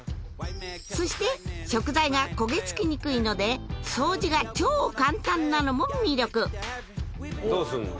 そして食材が焦げ付きにくいので掃除が超簡単なのも魅力どうすんの？